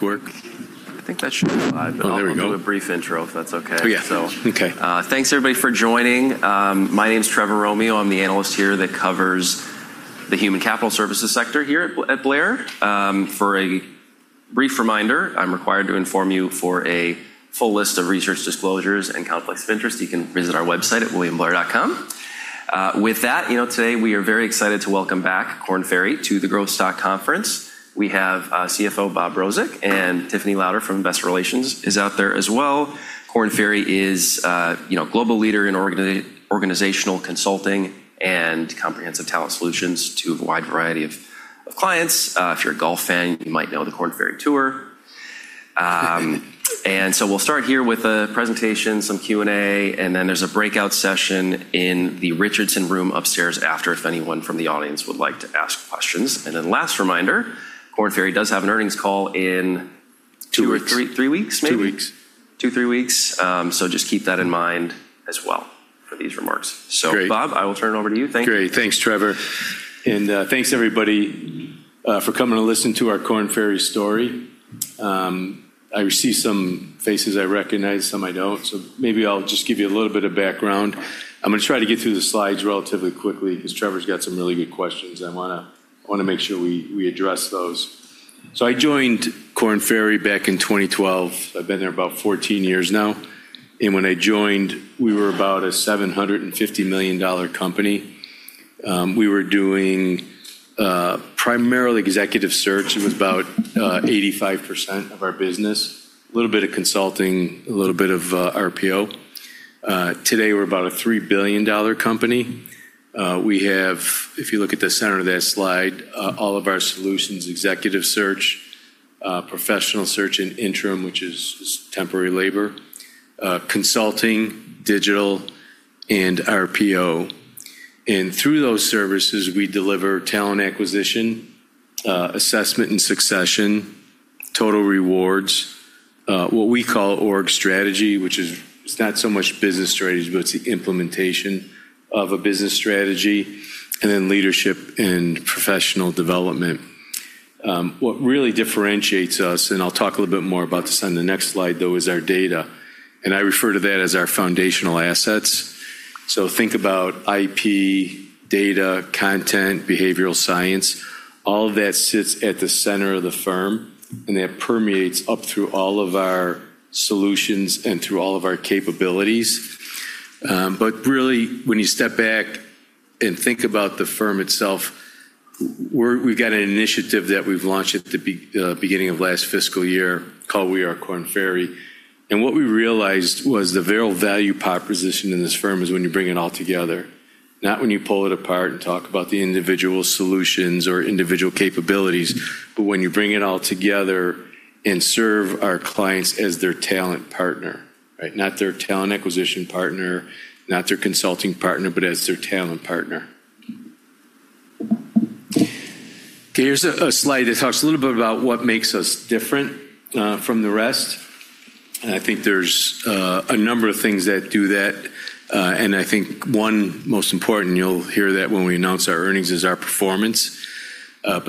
Thanks everybody for joining. My name's Trevor Romeo. I'm the analyst here that covers the human capital services sector here at Blair. For a brief reminder, I'm required to inform you for a full list of research disclosures and conflicts of interest, you can visit our website at williamblair.com. With that, today we are very excited to welcome back Korn Ferry to the Growth Stock Conference. We have CFO Bob Rozek, and Tiffany Lauder from Investor Relations is out there as well. Korn Ferry is a global leader in organizational consulting and comprehensive talent solutions to a wide variety of clients. If you're a golf fan, you might know the Korn Ferry Tour. We'll start here with a presentation, some Q&A, then there's a breakout session in the Richardson Room upstairs after if anyone from the audience would like to ask questions. Last reminder, Korn Ferry does have an earnings call in-. Two weeks. two or three weeks maybe. Two weeks. Two, three weeks. Just keep that in mind as well for these remarks. Great. Bob, I will turn it over to you. Thank you. Great. Thanks, Trevor. Thanks everybody for coming to listen to our Korn Ferry story. I see some faces I recognize, some I don't. Maybe I'll just give you a little bit of background. I'm going to try to get through the slides relatively quickly because Trevor's got some really good questions, and I want to make sure we address those. I joined Korn Ferry back in 2012. I've been there about 14 years now. When I joined, we were about a $750 million company. We were doing primarily executive search. It was about 85% of our business. A little bit of consulting, a little bit of RPO. Today, we're about a $3 billion company. We have, if you look at the center of that slide, all of our solutions, executive search, Professional Search & Interim, which is temporary labor, consulting, Digital, and RPO. Through those services, we deliver talent acquisition, assessment and succession, total rewards, what we call Organizational Strategy, which is it's not so much business strategy, but it's the implementation of a business strategy, and then leadership and professional development. What really differentiates us, and I'll talk a little bit more about this on the next slide, though, is our data, and I refer to that as our foundational assets. Think about IP, data, content, behavioral science, all of that sits at the center of the firm, and that permeates up through all of our solutions and through all of our capabilities. Really, when you step back and think about the firm itself, we've got an initiative that we've launched at the beginning of last fiscal year called We Are Korn Ferry. What we realized was the real value proposition in this firm is when you bring it all together, not when you pull it apart and talk about the individual solutions or individual capabilities, but when you bring it all together and serve our clients as their talent partner, right? Not their talent acquisition partner, not their consulting partner, but as their talent partner. Here's a slide that talks a little bit about what makes us different from the rest, and I think there's a number of things that do that. I think one most important, and you'll hear that when we announce our earnings, is our performance.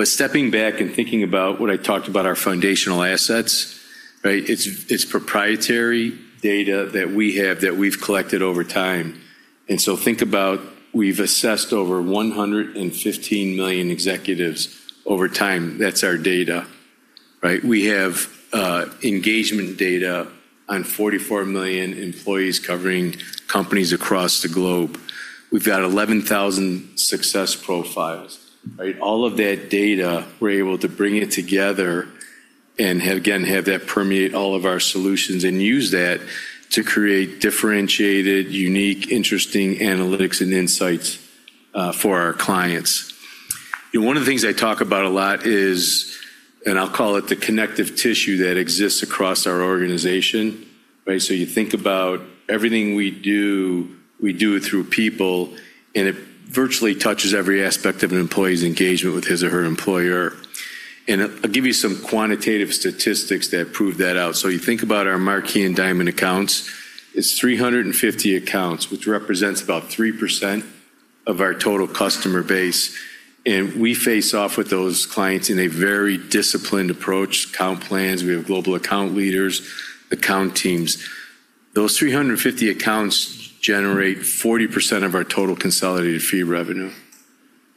Stepping back and thinking about what I talked about, our foundational assets, right? It's proprietary data that we have that we've collected over time. Think about, we've assessed over 115 million executives over time. That's our data, right? We have engagement data on 44 million employees covering companies across the globe. We've got 11,000 Success Profiles, right? All of that data, we're able to bring it together and again have that permeate all of our solutions and use that to create differentiated, unique, interesting analytics and insights for our clients. One of the things I talk about a lot is, I'll call it the connective tissue that exists across our organization, right? You think about everything we do, we do it through people, and it virtually touches every aspect of an employee's engagement with his or her employer. I'll give you some quantitative statistics that prove that out. You think about our Marquee and Diamond Accounts. It's 350 accounts, which represents about 3% of our total customer base, and we face off with those clients in a very disciplined approach. Account plans. We have global account leaders, account teams. Those 350 accounts generate 40% of our total consolidated fee revenue.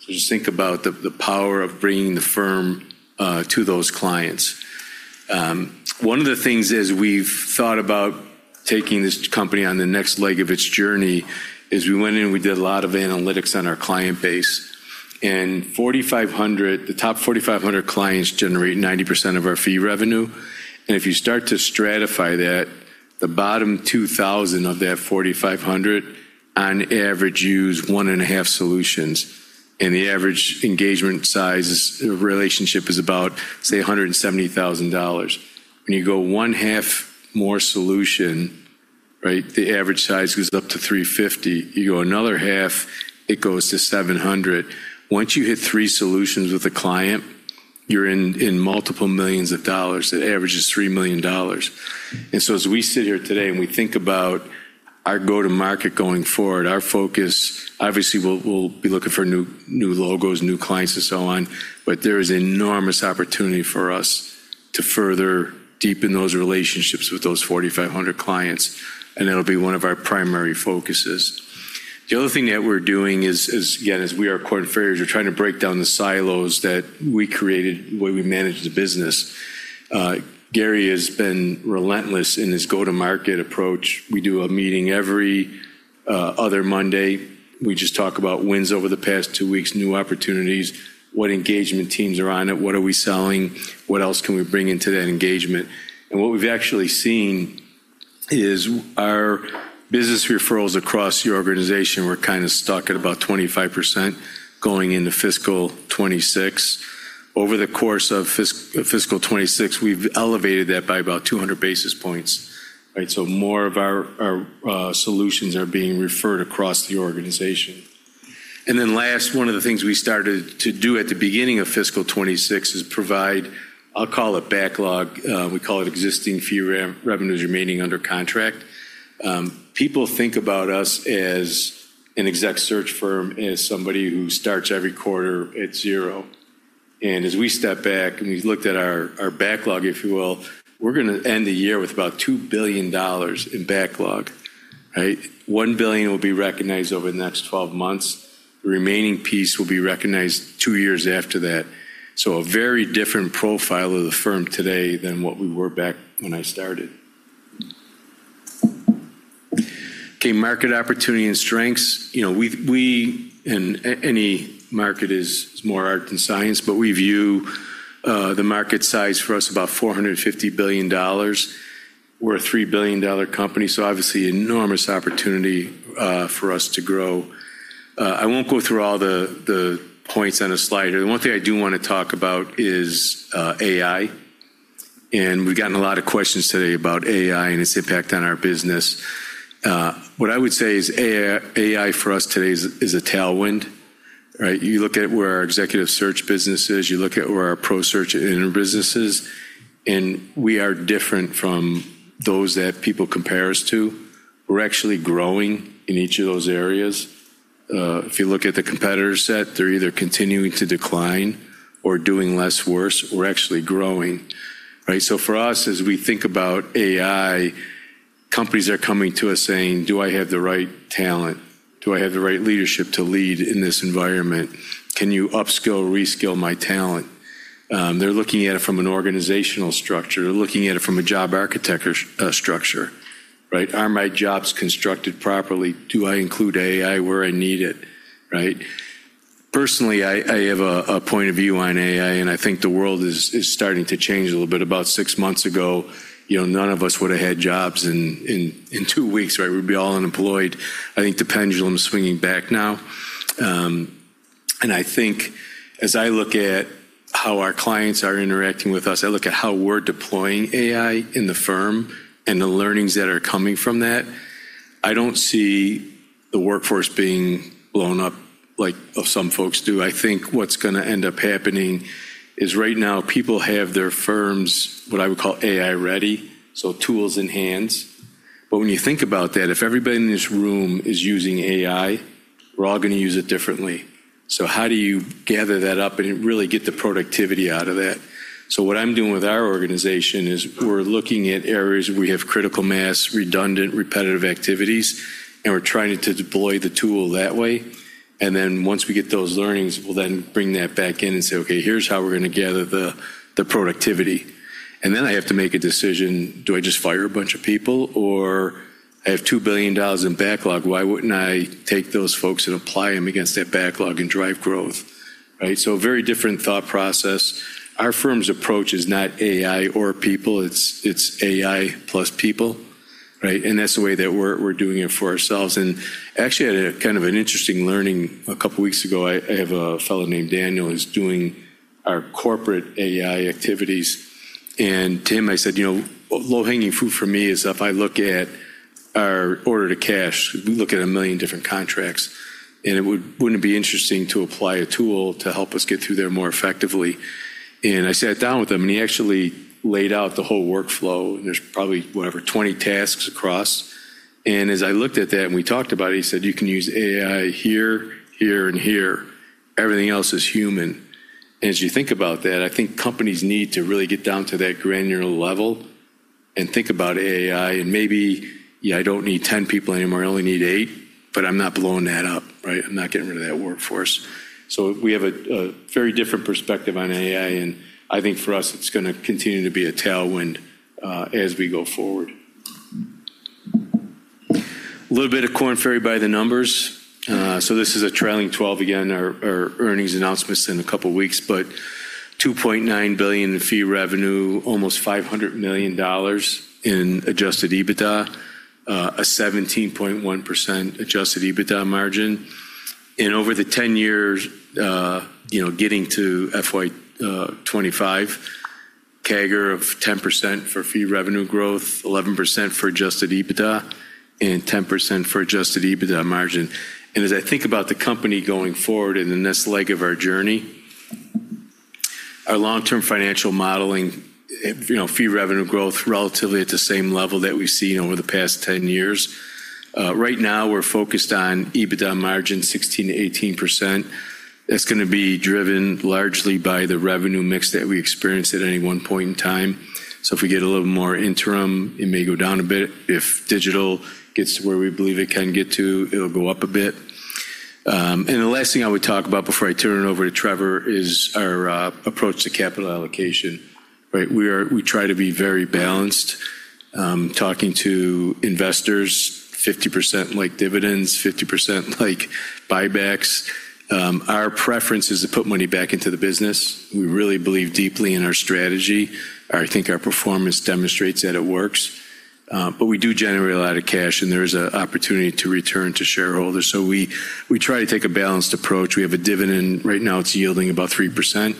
Just think about the power of bringing the firm to those clients. One of the things is we've thought about taking this company on the next leg of its journey is we went in, we did a lot of analytics on our client base, and the top 4,500 clients generate 90% of our fee revenue. If you start to stratify that, the bottom 2,000 of that 4,500 on average use one and a half solutions, and the average engagement size relationship is about, say, $170,000. When you go one half more solution, right? The average size goes up to 350. You go another half, it goes to 700. Once you hit three solutions with a client, you're in multiple millions of dollars. That average is $3 million. As we sit here today and we think about our go-to-market going forward, our focus, obviously, we'll be looking for new logos, new clients, and so on, but there is enormous opportunity for us to further deepen those relationships with those 4,500 clients, and that'll be one of our primary focuses. The other thing that we're doing is, again, as We Are Korn Ferry, is we're trying to break down the silos that we created the way we managed the business. Gary has been relentless in his go-to-market approach. We do a meeting every other Monday. We just talk about wins over the past two weeks, new opportunities, what engagement teams are on it, what are we selling, what else can we bring into that engagement. What we've actually seen is our business referrals across the organization were kind of stuck at about 25% going into fiscal '26. Over the course of Fiscal Year 2026, we've elevated that by about 200 basis points. More of our solutions are being referred across the organization. Last, one of the things we started to do at the beginning of Fiscal Year 2026 is provide, I'll call it backlog. We call it existing fee revenues remaining under contract. People think about us as an exec search firm, as somebody who starts every quarter at zero. As we step back and you looked at our backlog, if you will, we're going to end the year with about $2 billion in backlog. $1 billion will be recognized over the next 12 months. The remaining piece will be recognized two years after that. A very different profile of the firm today than what we were back when I started. Market opportunity and strengths. Any market is more art than science. We view the market size for us about $450 billion. We're a $3 billion company, obviously enormous opportunity for us to grow. I won't go through all the points on the slide here. The one thing I do want to talk about is AI. We've gotten a lot of questions today about AI and its impact on our business. What I would say is AI for us today is a tailwind. You look at where our executive search business is, you look at where our PS&I business is, and we are different from those that people compare us to. We're actually growing in each of those areas. If you look at the competitor set, they're either continuing to decline or doing less worse. We're actually growing. For us, as we think about AI, companies are coming to us saying, Do I have the right talent? Do I have the right leadership to lead in this environment? Can you upskill, reskill my talent? They're looking at it from an organizational structure. They're looking at it from a job architecture structure. Are my jobs constructed properly? Do I include AI where I need it? Personally, I have a point of view on AI, and I think the world is starting to change a little bit. About six months ago, none of us would have had jobs in two weeks. We'd be all unemployed. I think the pendulum is swinging back now. I think as I look at how our clients are interacting with us, I look at how we're deploying AI in the firm and the learnings that are coming from that. I don't see the workforce being blown up like some folks do. I think what's going to end up happening is right now people have their firms, what I would call AI-ready, so tools in hands. When you think about that, if everybody in this room is using AI, we're all going to use it differently. How do you gather that up and really get the productivity out of that? What I'm doing with our organization is we're looking at areas we have critical mass, redundant, repetitive activities, and we're trying to deploy the tool that way, and then once we get those learnings, we'll then bring that back in and say, Okay, here's how we're going to gather the productivity. Then I have to make a decision. Do I just fire a bunch of people, or I have $2 billion in backlog, why wouldn't I take those folks and apply them against that backlog and drive growth? A very different thought process. Our firm's approach is not AI or people, it's AI plus people. That's the way that we're doing it for ourselves. Actually, I had kind of an interesting learning a couple of weeks ago. I have a fellow named Daniel who's doing our corporate AI activities. To him, I said, Low-hanging fruit for me is if I look at our order to cash, look at a million different contracts, and wouldn't it be interesting to apply a tool to help us get through there more effectively? I sat down with him, and he actually laid out the whole workflow, and there's probably, whatever, 20 tasks across. As I looked at that and we talked about it, he said, You can use AI here, and here. Everything else is human. As you think about that, I think companies need to really get down to that granular level and think about AI, maybe I don't need 10 people anymore, I only need eight, but I'm not blowing that up. I'm not getting rid of that workforce. We have a very different perspective on AI, and I think for us, it's going to continue to be a tailwind as we go forward. A little bit of Korn Ferry by the numbers. This is a trailing 12. Again, our earnings announcement's in a couple of weeks, but $2.9 billion in fee revenue, almost $500 million in Adjusted EBITDA, a 17.1% Adjusted EBITDA margin. Over the 10 years, getting to FY '25, CAGR of 10% for fee revenue growth, 11% for Adjusted EBITDA, and 10% for Adjusted EBITDA margin. As I think about the company going forward in the next leg of our journey. Our long-term financial modeling, fee revenue growth relatively at the same level that we've seen over the past 10 years. Right now, we're focused on EBITDA margin 16%-18%. That's going to be driven largely by the revenue mix that we experience at any one point in time. If we get a little more interim, it may go down a bit. If Digital gets to where we believe it can get to, it'll go up a bit. The last thing I would talk about before I turn it over to Trevor is our approach to capital allocation. We try to be very balanced, talking to investors 50% like dividends, 50% like buybacks. Our preference is to put money back into the business. We really believe deeply in our strategy. I think our performance demonstrates that it works. We do generate a lot of cash, and there is an opportunity to return to shareholders. We try to take a balanced approach. We have a dividend. Right now it's yielding about 3%.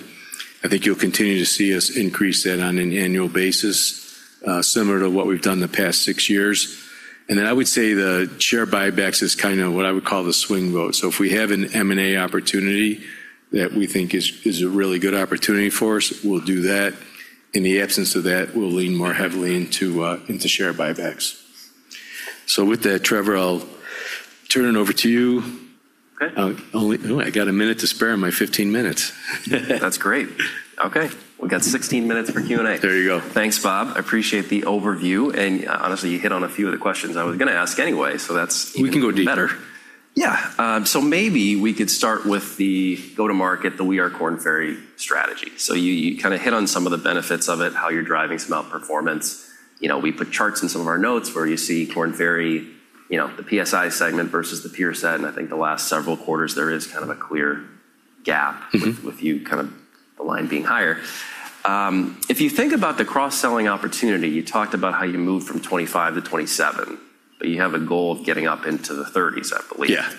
I think you'll continue to see us increase that on an annual basis, similar to what we've done the past six years. I would say the share buybacks is what I would call the swing vote. If we have an M&A opportunity that we think is a really good opportunity for us, we'll do that. In the absence of that, we'll lean more heavily into share buybacks. With that, Trevor, I'll turn it over to you. Okay. Oh, I got a minute to spare in my 15 minutes. That's great. Okay. We've got 16 minutes for Q&A. There you go. Thanks, Bob. I appreciate the overview. Honestly, you hit on a few of the questions I was going to ask anyway, so that's. We can go deeper. even better. Yeah. Maybe we could start with the go-to-market, the We Are Korn Ferry strategy. You hit on some of the benefits of it, how you're driving some outperformance. We put charts in some of our notes where you see Korn Ferry, the PS&I segment versus the peer set, and I think the last several quarters, there is a clear gap- with you the line being higher. If you think about the cross-selling opportunity, you talked about how you moved from 25 to 27, but you have a goal of getting up into the 30s, I believe. Yeah.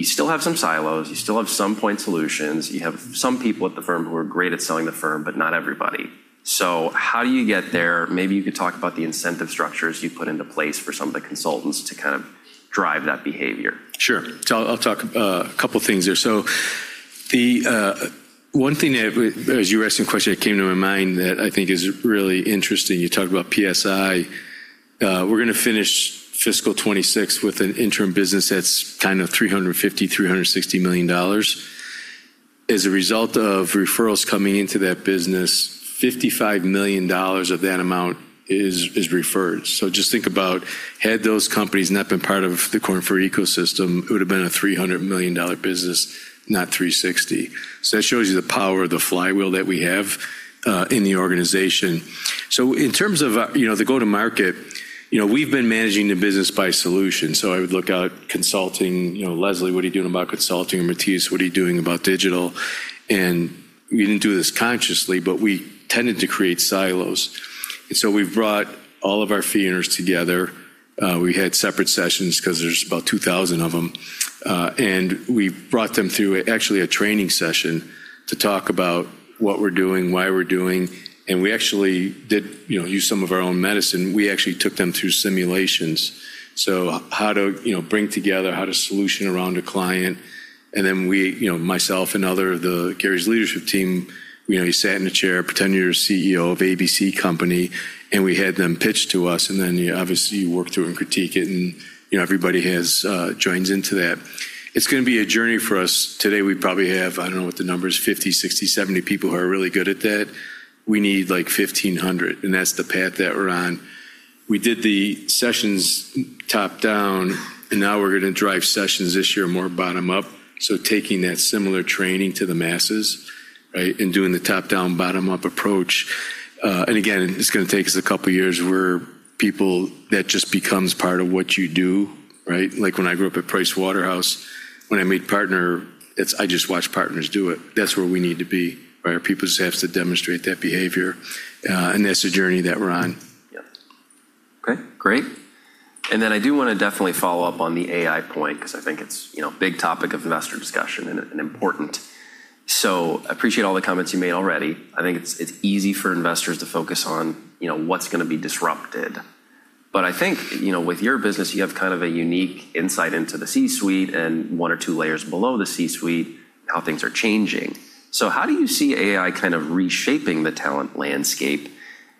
You still have some silos, you still have some point solutions. You have some people at the firm who are great at selling the firm, but not everybody. How do you get there? Maybe you could talk about the incentive structures you put into place for some of the consultants to drive that behavior. Sure. I'll talk a couple of things there. One thing that, as you were asking the question, it came to my mind that I think is really interesting. You talked about PS&I. We're going to finish Fiscal Year 2026 with an interim business that's $350 million, $360 million. As a result of referrals coming into that business, $55 million of that amount is referred. Just think about had those companies not been part of the Korn Ferry ecosystem, it would've been a $300 million business, not $360 million. That shows you the power of the flywheel that we have in the organization. In terms of the go-to-market, we've been managing the business by solution. I would look out consulting, Lesley, what are you doing about consulting? Matthias, what are you doing about digital? We didn't do this consciously, but we tended to create silos. We brought all of our fee earners together. We had separate sessions because there's about 2,000 of them. We brought them through actually a training session to talk about what we're doing, why we're doing, and we actually did use some of our own medicine. We actually took them through simulations. How to bring together, how to solution around a client. Myself and other of Gary's leadership team, you sat in a chair, pretend you're a CEO of ABC Company, and we had them pitch to us, and then you obviously work through and critique it, and everybody joins into that. It's going to be a journey for us. Today, we probably have, I don't know what the number is, 50, 60, 70 people who are really good at that. We need 1,500, and that's the path that we're on. We did the sessions top-down, and now we're going to drive sessions this year more bottom-up. Taking that similar training to the masses, and doing the top-down, bottom-up approach. Again, it's going to take us a couple of years where people, that just becomes part of what you do. Like when I grew up at Pricewaterhouse, when I made partner, I just watched partners do it. That's where we need to be. Our peoples have to demonstrate that behavior, and that's the journey that we're on. Yep. Okay, great. Then I do want to definitely follow up on the AI point because I think it's a big topic of investor discussion and important. Appreciate all the comments you made already. I think it's easy for investors to focus on what's going to be disrupted. I think with your business, you have a unique insight into the C-suite and one or two layers below the C-suite, how things are changing. How do you see AI reshaping the talent landscape?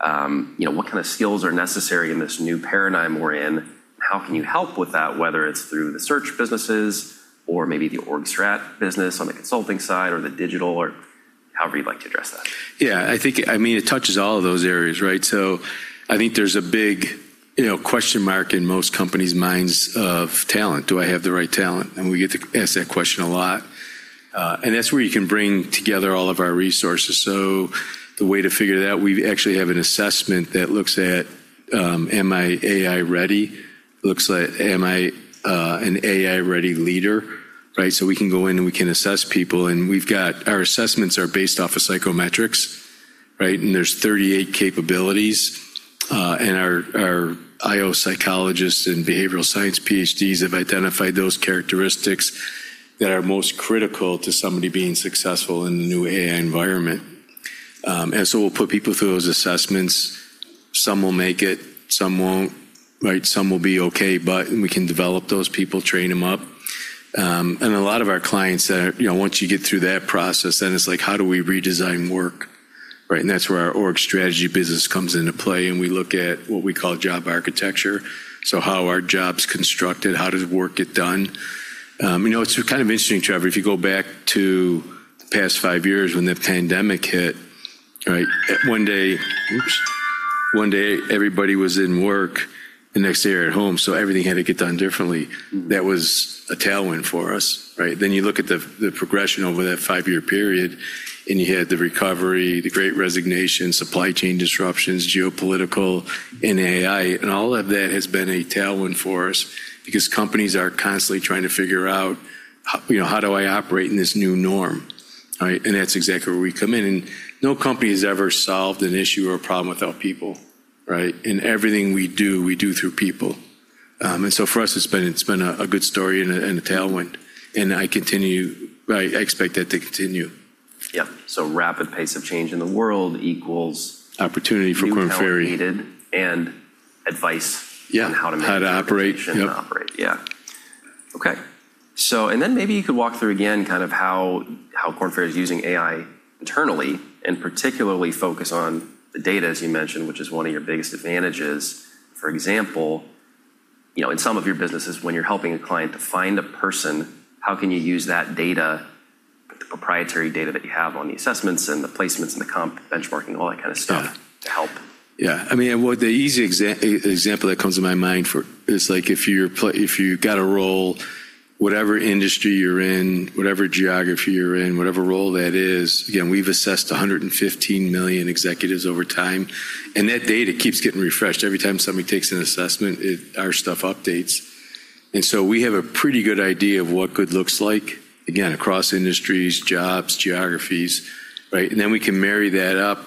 What kind of skills are necessary in this new paradigm we're in? How can you help with that, whether it's through the search businesses or maybe the Organizational Strategy business on the consulting side or the digital or however you'd like to address that? Yeah. It touches all of those areas. I think there's a big question mark in most companies' minds of talent. Do I have the right talent? We get to ask that question a lot. That's where you can bring together all of our resources. The way to figure that, we actually have an assessment that looks at am I AI-ready? Looks at am I an AI-ready leader? We can go in and we can assess people. Our assessments are based off of psychometrics. There's 38 capabilities. Our I/O psychologists and behavioral science PhDs have identified those characteristics that are most critical to somebody being successful in the new AI environment. We'll put people through those assessments. Some will make it, some won't. Some will be okay, we can develop those people, train them up. A lot of our clients that, once you get through that process, then it's like, how do we redesign work? That's where our Organizational Strategy business comes into play, and we look at what we call job architecture. How are jobs constructed? How does work get done? It's kind of interesting, Trevor, if you go back to the past five years when the pandemic hit, one day everybody was in work, the next day they're at home, so everything had to get done differently. That was a tailwind for us. Then you look at the progression over that five-year period, and you had the recovery, the great resignation, supply chain disruptions, geopolitical, and AI, and all of that has been a tailwind for us because companies are constantly trying to figure out, how do I operate in this new norm? That's exactly where we come in. No company has ever solved an issue or a problem without people. In everything we do, we do through people. For us, it's been a good story and a tailwind, and I expect that to continue. Yep. rapid pace of change in the world equals. Opportunity for Korn Ferry. New talent needed and advice. Yeah on how to make- How to operate. Yep transition and operate. Yeah. Okay. Maybe you could walk through again how Korn Ferry is using AI internally, and particularly focus on the data, as you mentioned, which is one of your biggest advantages. For example, in some of your businesses, when you're helping a client to find a person, how can you use that data, the proprietary data that you have on the assessments and the placements and the comp benchmarking, all that kind of stuff? Yeah to help? Yeah. The easy example that comes to my mind for it is if you've got a role, whatever industry you're in, whatever geography you're in, whatever role that is, again, we've assessed 115 million executives over time, and that data keeps getting refreshed. Every time somebody takes an assessment, our stuff updates. We have a pretty good idea of what good looks like, again, across industries, jobs, geographies. We can marry that up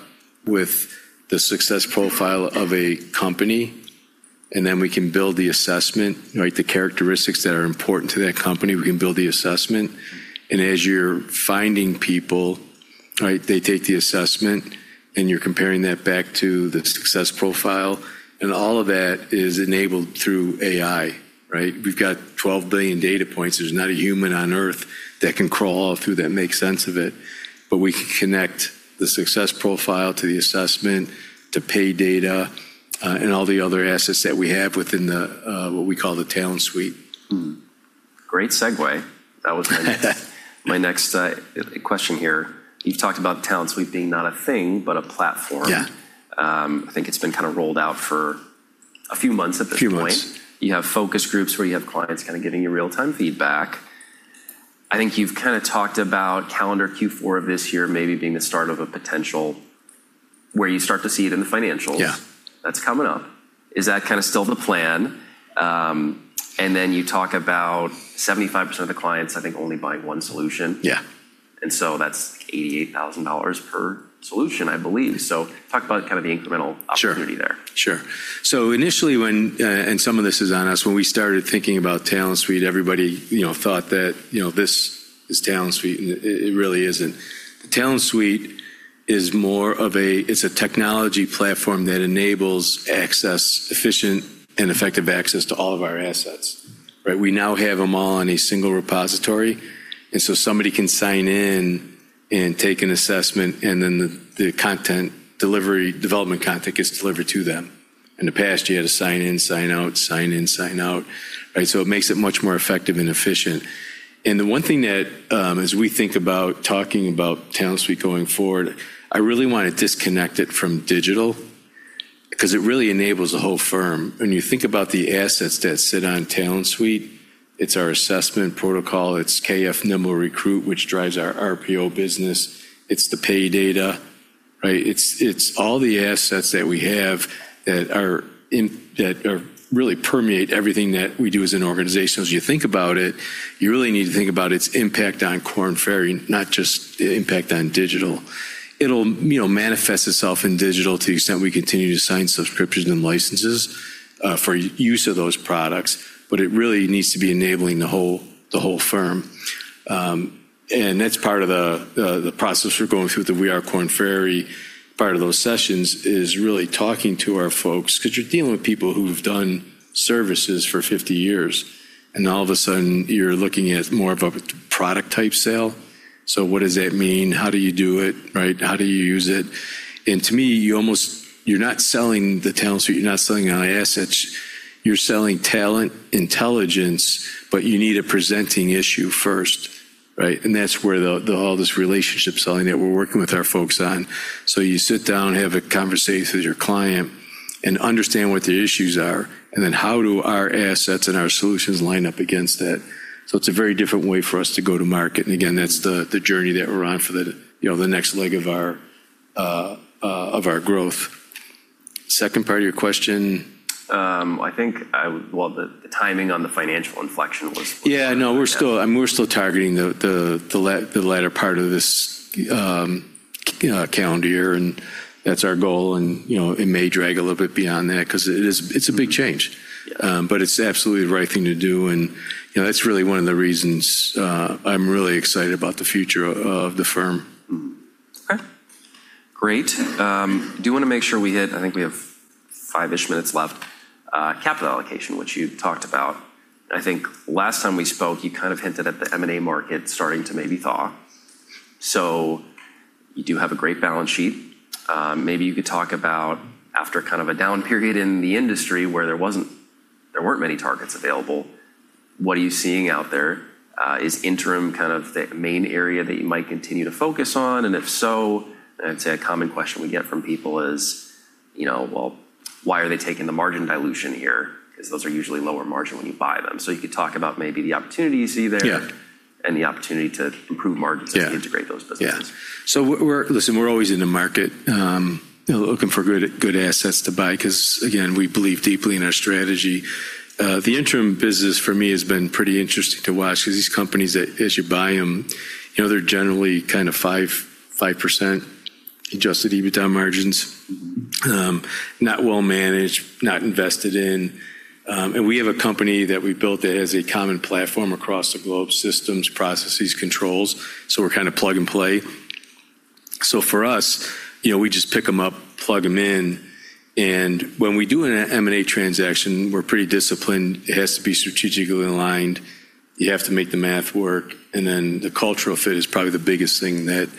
with the Success Profile of a company, and then we can build the assessment. The characteristics that are important to that company, we can build the assessment. As you're finding people, they take the assessment, and you're comparing that back to the Success Profile, and all of that is enabled through AI. We've got 12 billion data points. There's not a human on Earth that can crawl through that and make sense of it. We can connect the Success Profile to the assessment, to pay data, and all the other assets that we have within what we call the Talent Suite. Great segue. That was my next question here. You've talked about Talent Suite being not a thing, but a platform. Yeah. I think it's been rolled out for a few months at this point. Few months. You have focus groups where you have clients giving you real-time feedback. I think you've talked about calendar Q4 of this year maybe being the start of a potential where you start to see it in the financials. Yeah. That's coming up. Is that still the plan? You talk about 75% of the clients, I think, only buying one solution. Yeah. That's $88,000 per solution, I believe. Talk about the incremental opportunity there. Sure. Initially when, and some of this is on us, when we started thinking about Talent Suite, everybody thought that this is Talent Suite, and it really isn't. The Talent Suite is a technology platform that enables efficient and effective access to all of our assets. We now have them all in a single repository, somebody can sign in and take an assessment, and then the development content gets delivered to them. In the past, you had to sign in, sign out. It makes it much more effective and efficient. The one thing that, as we think about talking about Talent Suite going forward, I really want to disconnect it from digital because it really enables the whole firm. When you think about the assets that sit on Talent Suite, it's our assessment protocol, it's KF Nimble Recruit, which drives our RPO business. It's the pay data. It's all the assets that we have that really permeate everything that we do as an organization. As you think about it, you really need to think about its impact on Korn Ferry, not just the impact on digital. It'll manifest itself in digital to the extent we continue to sign subscriptions and licenses for use of those products, but it really needs to be enabling the whole firm. That's part of the process we're going through with the We Are Korn Ferry part of those sessions is really talking to our folks, because you're dealing with people who've done services for 50 years, and all of a sudden you're looking at more of a product-type sale. What does that mean? How do you do it? How do you use it? To me, you're not selling the Korn Ferry Talent Suite, you're not selling AI assets. You're selling talent intelligence, but you need a presenting issue first. That's all this relationship selling that we're working with our folks on. You sit down, have a conversation with your client, and understand what their issues are, and then how do our assets and our solutions line up against that? It's a very different way for us to go to market. Again, that's the journey that we're on for the next leg of our growth. Second part of your question? Well, the timing on the financial inflection was. Yeah. No, we're still targeting the latter part of this calendar year, and that's our goal, and it may drag a little bit beyond that because it's a big change. Yeah. It's absolutely the right thing to do, and that's really one of the reasons I'm really excited about the future of the firm. Okay. Great. I do want to make sure we hit, I think we have five-ish minutes left, capital allocation, which you talked about. I think last time we spoke, you kind of hinted at the M&A market starting to maybe thaw. You do have a great balance sheet. Maybe you could talk about after kind of a down period in the industry where there weren't many targets available, what are you seeing out there? Is interim kind of the main area that you might continue to focus on, if so, I'd say a common question we get from people is, well, why are they taking the margin dilution here? Because those are usually lower margin when you buy them. You could talk about maybe the opportunity you see there. Yeah The opportunity to improve margins. Yeah as you integrate those businesses. Yeah. Listen, we're always in the market, looking for good assets to buy because, again, we believe deeply in our strategy. The interim business for me has been pretty interesting to watch because these companies, as you buy them, they're generally kind of 5% Adjusted EBITDA margins. Not well-managed, not invested in. We have a company that we built that has a common platform across the globe, systems, processes, controls, so we're kind of plug and play. For us, we just pick them up, plug them in, and when we do an M&A transaction, we're pretty disciplined. It has to be strategically aligned. You have to make the math work, and then the cultural fit is probably the biggest thing that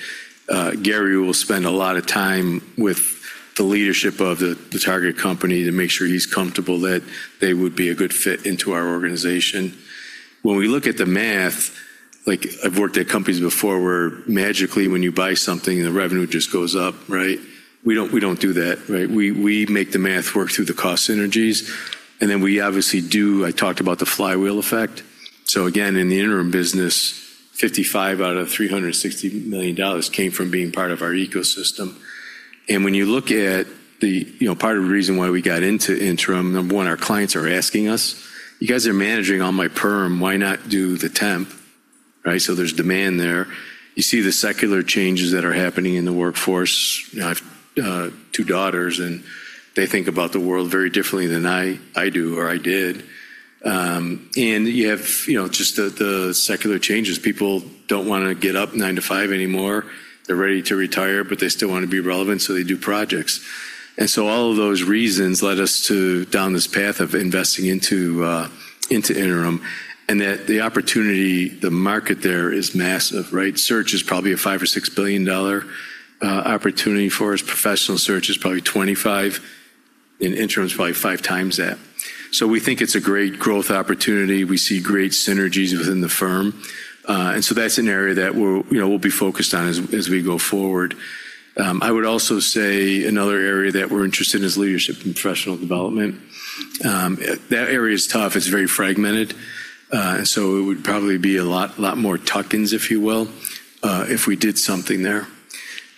Gary will spend a lot of time with the leadership of the target company to make sure he's comfortable that they would be a good fit into our organization. When we look at the math, I've worked at companies before where magically when you buy something, the revenue just goes up, right? We don't do that, right? We make the math work through the cost synergies, and then I talked about the flywheel effect. In the interim business, $55 out of $360 million came from being part of our ecosystem. When you look at the part of the reason why we got into interim, number one, our clients are asking us, You guys are managing all my perm, why not do the temp? Right? There's demand there. You see the secular changes that are happening in the workforce. I have two daughters, and they think about the world very differently than I do, or I did. You have just the secular changes. People don't want to get up nine to five anymore. They're ready to retire, but they still want to be relevant, so they do projects. All of those reasons led us down this path of investing into interim, and that the opportunity, the market there is massive, right? Search is probably a $5 billion or $6 billion opportunity for us. Professional Search is probably $25 billion, and interim is probably five times that. We think it's a great growth opportunity. We see great synergies within the firm. That's an area that we'll be focused on as we go forward. I would also say another area that we're interested in is leadership and professional development. That area is tough. It's very fragmented. It would probably be a lot more tuck-ins, if you will, if we did something there.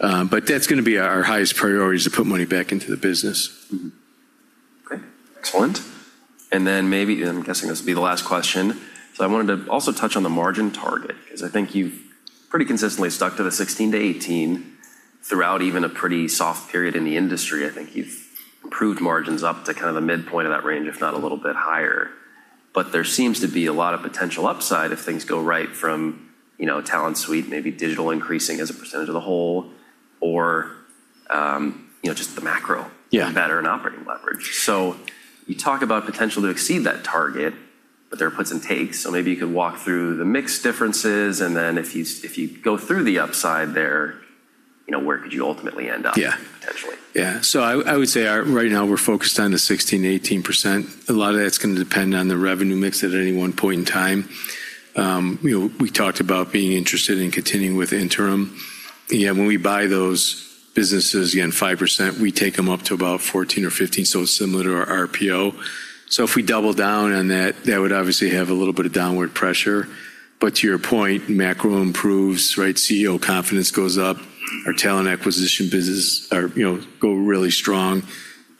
That's going to be our highest priority is to put money back into the business. Okay. Excellent. Maybe, I'm guessing this will be the last question, so I wanted to also touch on the margin target, because I think you've pretty consistently stuck to the 16%-18% throughout even a pretty soft period in the industry. I think you've improved margins up to kind of the midpoint of that range, if not a little bit higher. There seems to be a lot of potential upside if things go right from Talent Suite, maybe digital increasing as a percentage of the whole, or just the better and operating leverage. You talk about potential to exceed that target. There are puts and takes. Maybe you could walk through the mix differences, and then if you go through the upside there, where could you ultimately end up? Yeah potentially? I would say right now we're focused on the 16%-18%. A lot of that's going to depend on the revenue mix at any one point in time. We talked about being interested in continuing with interim. When we buy those businesses, again 5%, we take them up to about 14% or 15%, so similar to our RPO. If we double down on that would obviously have a little bit of downward pressure. To your point, macro improves, right? CEO confidence goes up. Our talent acquisition business go really strong.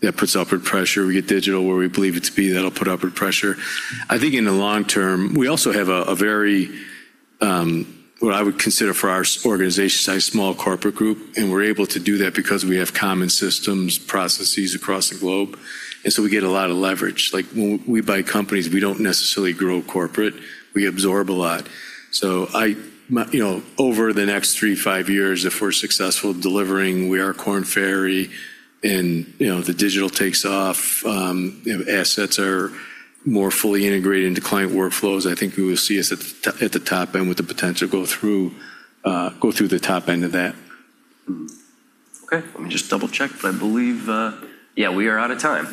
That puts upward pressure. We get Digital where we believe it to be. That'll put upward pressure. I think in the long term, we also have a very, what I would consider for our organization size, small corporate group, and we're able to do that because we have common systems, processes across the globe, and so we get a lot of leverage. When we buy companies, we don't necessarily grow corporate. We absorb a lot. Over the next three to five years, if we're successful delivering We Are Korn Ferry, and the Digital takes off, assets are more fully integrated into client workflows, I think we will see us at the top end with the potential go through the top end of that. Okay, let me just double-check, but I believe, yeah, we are out of time.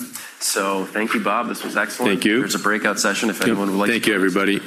Thank you, Bob. This was excellent. Thank you. There's a breakout session if anyone would like to- Thank you, everybody.